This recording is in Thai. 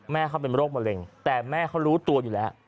แม่เขาเป็นโรคมะเร็งแต่แม่เขารู้ตัวอยู่แล้ว